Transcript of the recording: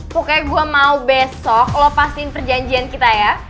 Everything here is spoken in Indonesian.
pokoknya gue mau besok lo pastiin perjanjian kita ya